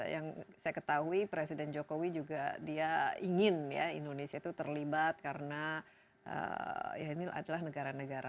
yang saya ketahui presiden jokowi juga dia ingin ya indonesia itu terlibat karena ya ini adalah negara negara